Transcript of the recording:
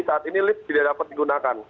saat ini lift tidak dapat digunakan